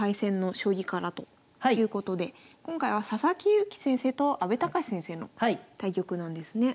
今回は佐々木勇気先生と阿部隆先生の対局なんですね。